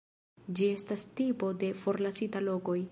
Ĝi estas tipo de forlasita lokoj.